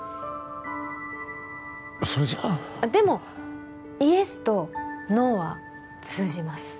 それじゃでもイエスとノーは通じます